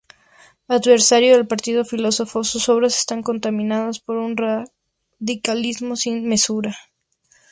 Adversario del "partido filosófico", sus obras están contaminadas por un radicalismo sin mesura.